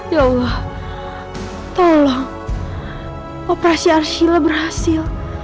ya allah tolong operasi arshila berhasil